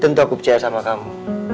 tentu aku percaya sama kamu